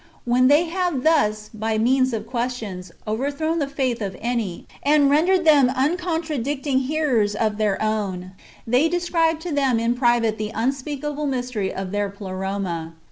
When they have thus, by means of questions, overthrown the faith of any, and rendered them un contradicting hearers of their own, they describe to them in private the unspeakable mystery of their Pleroma.